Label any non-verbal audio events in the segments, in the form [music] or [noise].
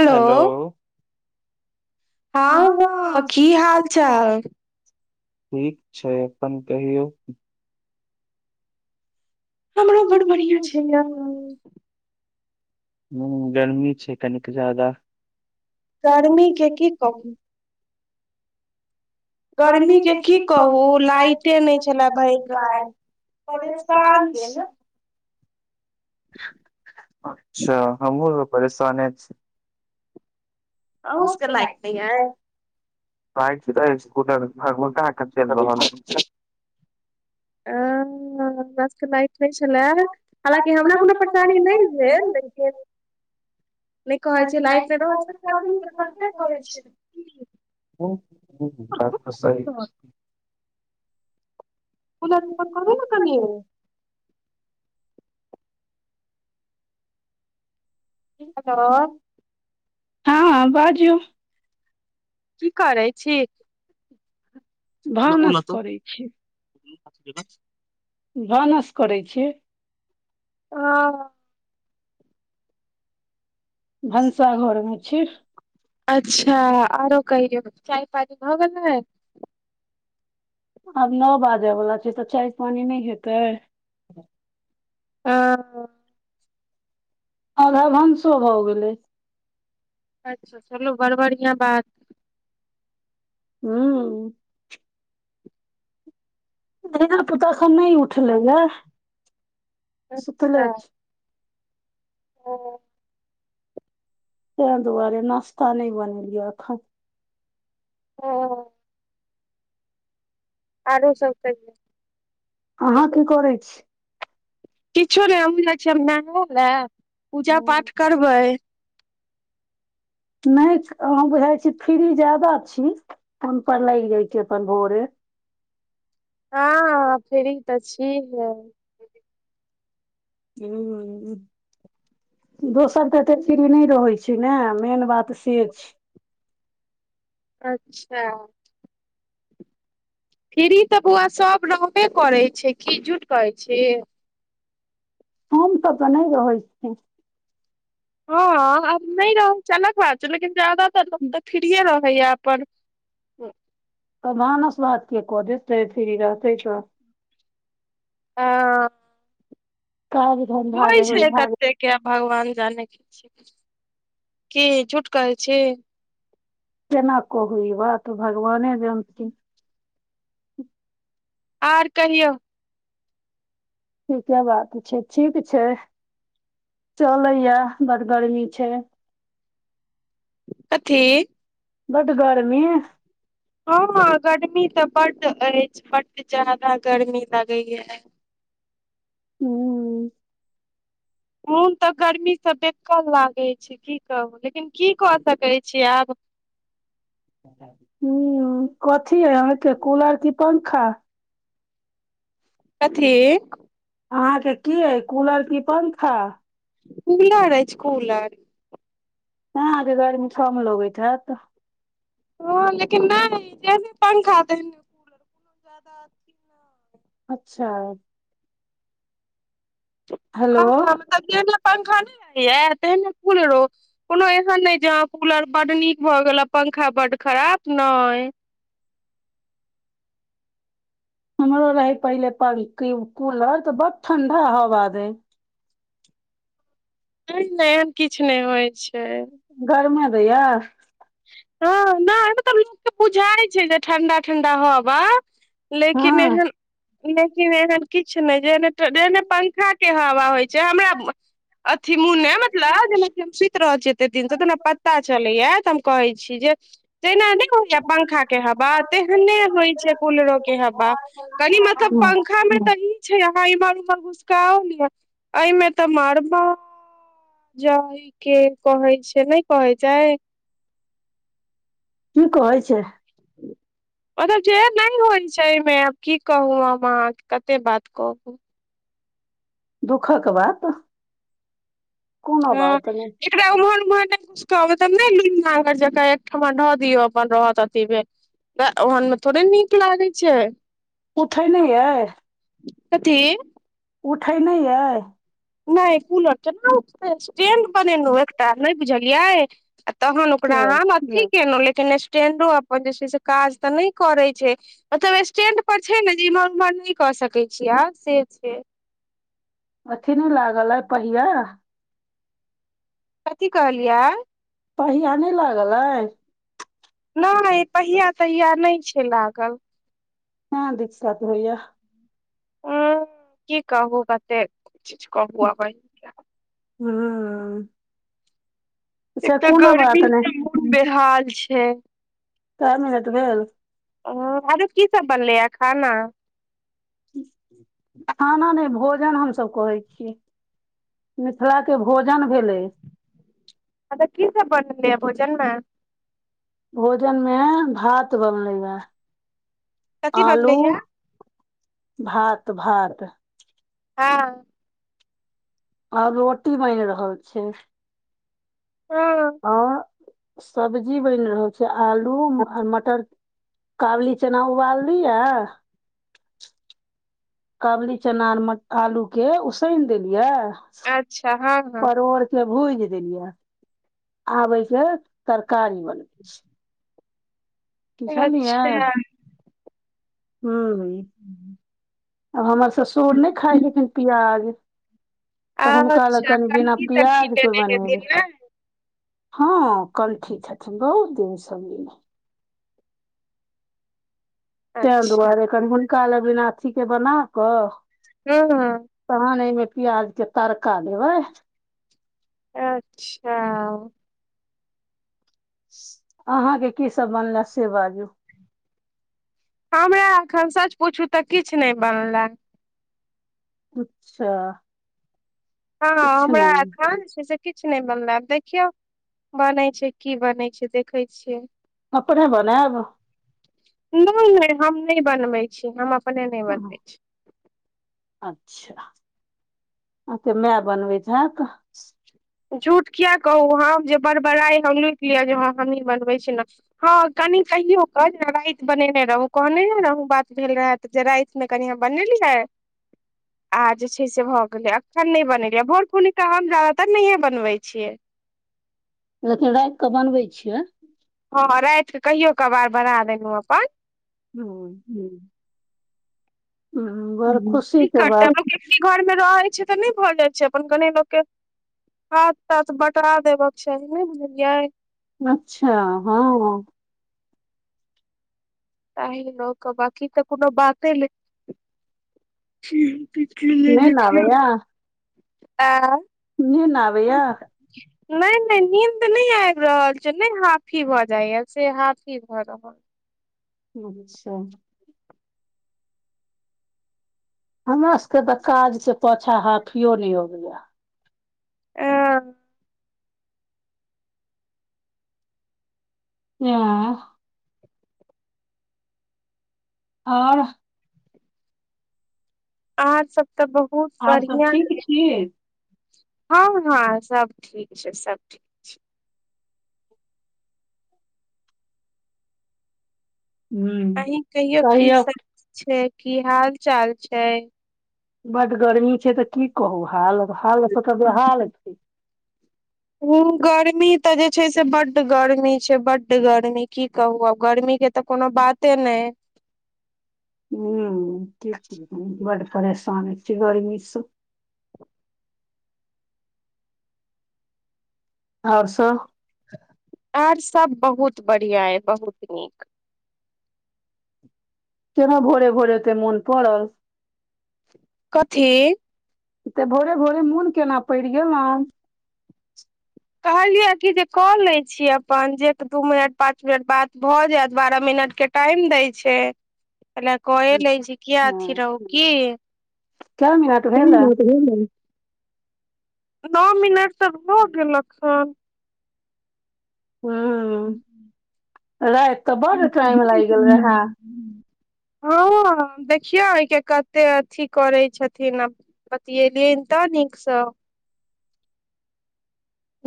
Hello हँ हँ की हाल चाल ठीक छै अपन कहियौ हमरो बड़ बढ़िआ छै यौ ह गर्मी छै कनिक जादा गर्मी के की कहू गर्मी के की कहू कहु लाइटे नहि छले भरि राति परेशान छी [unintelligible] अच्छा हमहूँ त परेशाने छी आ अहूं सके लाइट नहि हय अछि त चलबल [unintelligible] छलए हालांकि हमरा कोनो परेशानी नहि भेल लेकिन नहि कहै छै लाइट नहि रहल छै, गर्मी गर्मी तऽ त लगबे कते करै छै की हूँ बात सही कूलर छै पुल रोपण करबै ने कनि हेलो हँ बाजू की करै छी भानस करै छी [unintelligible] भानस करै छी हँ भनसा घर मे छी अच्छा, आओर कहियै चाय पानी भऽ गेलै? आब नौ बाजऽ वला छै तऽ चाय पानी नहि हेतै। आ आधा भनसो भऽ गेलै। अच्छा चलू बड़ बढ़िआ बात हँ धियापुता नहि उठले ह सुतले अच्छा छै। ओ तैहि दुआरे नाश्ता नहि बनेलियै एखन। ह आरो सभ कर अहाँ की करै छी? किछो नहि हमहुँ जाय छी। नै हेला पूजा पाठ करबै। नहि अहाँ बुझाय छी फ्री ज्यादा छी फोन पर लाग जाय छी अपन भोरे। हँ फ़्री तऽ छी। ह दोसर तऽ एते फ्री नहि रहै छै ने मेन बात से छै। अच्छा फ्री तऽ बौआ सभ रहबे करै छै कि झूठ कहै छी? सब त नहि रहै छी फ्री हँ आब नहि रहू से अलग बात छै। लेकिन जादातर लोग छी तऽ फ्रिये रहैय अपन। भानस भात के करतै, फ्री रहतै तऽ? ह काज होइ छै त से तऽ भगवान जानै छथि, के झूठ कहै छै। केना कहऽ ई बात? भगवाने जनथीन आर कहियौ? ठीके बात छै। ठीक छै चलैय ऐ बड़ गर्मी छै। कथी बड गर्मी। हँ गर्मी तऽ बड अछि बड जादा गर्मी लगैए हू मन तऽ गर्मीसँ बेकल लागैत छै की कहू, लेकिन की कऽ सकैत छी आब। हँ, की है अहाँके कूलर की पंखा? कथी अहाँके की यऽ, कूलर की पंखा? कूलर अइछ छै। कूलर अहाँके गर्मी कम लगैत हेत। हँ, लेकिन नहि, जेहने पंखा तेहने। कूलर, [unintelligible] अथी अच्छा हेलो हँ, मतलब जेहने पंखा नहि रहै यै, तेहने कुलरो। कोनो एहन ने जे हँ, कूलर बड़ नीक भऽ गेल आ पंखा बड़ खराब ने। हमरो रहै पहिले कूलर, तऽ बड़ ठंडा हवा दे। ने एहन किछु नहि होइ छै। गर्मी दैए। हँ, नहि तऽ लोकके बुझाइ छै जे ठंडा ठंडा हवा। हँ लेकिन एहन लेकिन एहन किछु नहि जे जेने पंखाके हवा होइ छै हमरा। अथी मुनै मतलब जेना कि सूति रहैत छैै एते दिनसँ तऽ ने पता चलैया तऽ हम कहै छी जे तेना नहि होइया पंखा के हवा तेहने होइ छै कूलरो के हवा कनि मतलब हँ, पंख खा में तऽ ई छै अहाँ इमहर उमहर गुसकाओल य मे तऽ मारबा जइ के कहै छै नहि कहै छै की कहै छै मतलब जेर नहि होइ छै एहिमे आब की कहू हम अहाँके कते बात कहूँ दुःखक बात कोनो ह बात नहि एकरा उमहर एमहर कहबै तब नहि लू म जकाँ एकठमा ऽ दियौ अपन रहत अथी भेल ओहन में थोड़े नीक लागे छै उठे नै यैय कथी उठै नहि अइ नहि कूलर केना उठत स्टैंड बनेलहुँ एकटा नहि बुझलियै तहन ओकरा च- हम अथी केेलहु लेकिन स्टेंडो अपन जे छै से काज तऽ नहि करै छै मतलब स्टैंड पर छै ने जे इम्हर उम्हर नहि कऽ सकैत छियै आ से छै अथि नहि लागल पहिया कथी कहलियै पहिया नहि लागल अै नहि पहिया तहिया नहि छै लागल हँ दिक्षथ होइयै हू की कहू कते चीज कहू आब अहिं हू एक तऽ कोनो बात गर्मी नहि से बहुत बेहाल छै कै मिनट भेल ओ आरो की सब बनलै है खाना खाना नहि भोजन हमसभ कहै छियै मिथिला के भोजन भेले अच्छा की सब बनले है भोजन में भोजन मे भात बनले यै कथी आलू बनलै या भात भात हँ आओर रोटी बनि रहल छै ह ओ सब्जी बनि रहल छै आलू आर मटर काबुली चना उबाल लिए काबली चना आर मट आलू के उसान देलियै अच्छा हँ हँ परोड़ के भूज देलियै आब एहिस तरकारी बन बुझलियै अच्छा हॅं आब हमर ससुर नहि खाइ छथिन प्याज तऽ हुनका ले अच्छा कनि बिना कनकी तनकी प्याज के लेने बनेबै हेथिन ने हँ कणठी छथिन बहुत दिनसँ लेने तें अच्छा दुआरे कनि हुनका लऽ अथी कऽ बना कऽ हां हां तहन एहिमे प्याज के तड़का देबै अच्छा अहाँके की सब बनल से बाजू हमरा एखन सच पूछू तऽ किछु नहि बनलै अच्छा हँ किछु हमरा नहि एखन जेछै किछु नहि बनला आ देखियौ बनै छै की बनै छै देखै छियै अपने बनैब नहि नहि हम नहि बनबैत छी हम अपने नहि बनबैत छी अचछा हां के मैय बनबै हैत झूठ किया कहू हम जे बड़ बड़ाइ हम लुटि लिअ जे ह हमही बनबै छी न हँ कनि कहियो कऽ जे राति बनेने रहू कहने हे रहू बात भेल रहै जे राति मे कनिह बनेली है [inaudible] आ जे छै से भऽ गेलै अखन नहि बनेलै भोर पूनिका हम नहियै बनबै छियै लेकिन राति के बनबै छियै हँ राइत कऽ कहियो कभार बना देलु अपन [unintelligible] हूँ बड़ खुशी की के करतै बात [unintelligible] घरमे रहै छै तऽ नहि भऽ जाइत छै अपन गने लोकके हाथ तात बटा देब के चाही नैय बुझलियै अच्छा हँ ताहि लऽ कऽ बाकी तऽ कुनो बाते नहि [inaudible] निन्न देखियौ आबैया आ निन आबै या नहि नहि नीन्द नहि आबि रहल छै ने हाफी भए जाया से हाफी भए रहल अच्छा हमरा सबके तऽ काज के पाछा हाफियो नैय आबै यै ओ ऐं आओर अहाँ सभ तऽ बहुत आओर सब ठीक छी हँ हँ सब ठीक छै सब ठीक हूँ आहि कहियो की कहियौ सब छै की हाल चाल छै बड गर्मी छै तऽ की कहू हाल हाल सब तऽ बेहाल छै ह गर्मी तऽ जे छै से बड्ड गर्मी छै बड्ड गर्मी की कहू आब गर्मीके तऽ कोनो बाते नैय बड परेशान छी गरमी सऽ आओर सब आर सब बहुत बढ़िया यै बहुत नीक केना भोर भोर एते मन पड़ल कथी तऽ भोरे भोरे मोन केना पड़ि गेलौं कहलियै कि जे कऽ लै छी अपन जे दू मिनट पाँच मिनट बाद भऽ जायत बारह मिनटके टाइम दै छै ओना कऽ लै छी किया अथी हँ रहू की कै मिनट भेल हँ [unintelligible] नौ मिनट तऽ भऽ गेल हन ह ह राति तऽ बड टाइम लागि गेल रहे हँ देखियौ आय के कतै अथी करै छथिन अ बतियैलिए तऽ नीक सऽ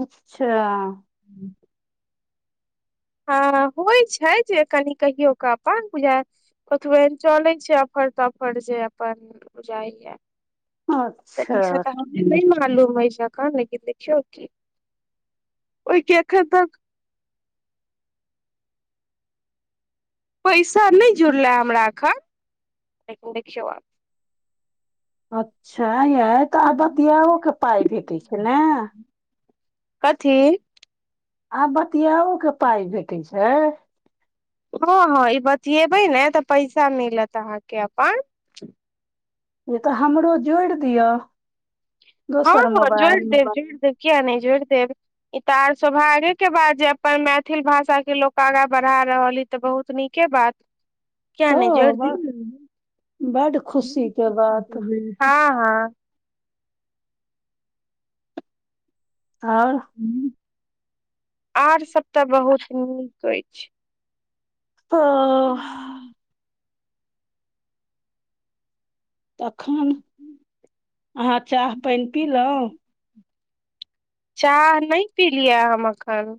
अच्छा हू हा होइ छै जे कनि कहियो कऽ अपन पूजा ओतबे चलैत छै अफर तफर जे अपन जाइय। तऽ तनी अच्छा से हम नहि मालूम अछि अखन, लेकिन देखियौ की ओहि कखन तक। पैसा नहि जुड़ल हमरा एखन, लेकिन देखियौ आब। अच्छा यै तऽ आ बतियाओ, के पैसा भेटै छै नै? कथी आब बतियाओ, के पाइ भेटैत छै? हाँ हाँ, ई बतियेबे ने तऽ पैसा मिलत अहाँके अपन। ऐ तऽ हमरो जोड़ि दियअ। हँ हँ, जोड़ि देब, जोड़ि देब, किया नहि जोड़ि देब। इ तऽ आर सौभाग्यक बात के, जे अपन मैथिल भाषा के लोक आगाँ बढ़ा रहल अए। तऽ बहुत नीके बात। किया ह नहि ब जोड़ि देब बड़ खुशी के बात हाँ हाँ और आर सभी तऽ बहुत नीक आए हँ तखन अहाँ चाह पाइन पिलहुँ? चाह नहि पील यऽ अखन।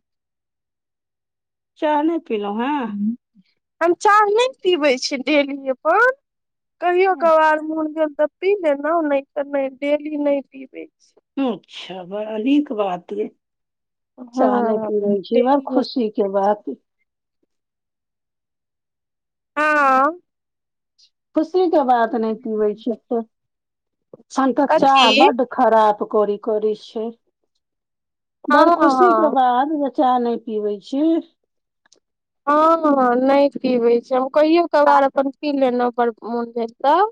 चाह नहि पिलउ। हम चाह नहि पीबै छियै डेली अपन। कहियो हेँ कभार मन भेल तऽ पी लेलहुँ, नहि तऽ नहि, डेली नहि पीबै छी। अच्छा बड़ा नीक बात ये हँ चाह नै पिबय छी बड़ डेली नहि खुशी के बात हां हां हा खुशी के बात नहि पीबै छियैसे साँझक चाह कथी बड़ खराबी करै छै। हँ बड़ खुशी के हँ बात जे चाह नै पीबै छी। हँ हँ, नहि पीबै छी हम। कहियो कभार मोन भेल तऽ पी लेलहुँ।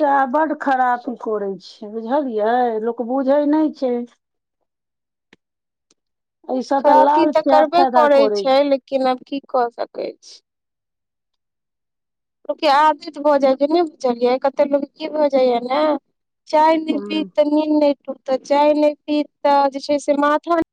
चाह बड़ खराबी करै छै, बुझलियै? लोक बुझै नहि छै। [inaudible] एहिसँ खराबी लाल तऽ चाय करबे फायदा करै छै, लेकिन आब की कऽ सकैत छी? कियाकि अजीज भऽ जाइ छै, आदत भऽ जाइ छै, के नहि बुझलियै कते लोक की भऽ जाइया ने। चाय नहि पीबै हूँ तऽ निन्न नहि टूटत, चाय नहि पीबै तऽ जे छै से माथो नहि खुलत।